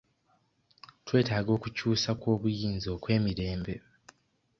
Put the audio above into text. Twetaaga okukyusa kw'obuyinza okw'emirembe.